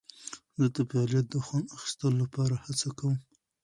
زه د فعالیت د خوند اخیستلو لپاره هڅه کوم.